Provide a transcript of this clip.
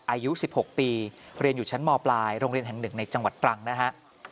อายุ๑๖ปีเรียนอยู่ชั้นมปลายโรงเรียนแห่งหนึ่งในจังหวัดตรังนะฮะ